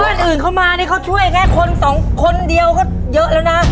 อื่นเข้ามานี่เขาช่วยแค่คนสองคนเดียวก็เยอะแล้วนะ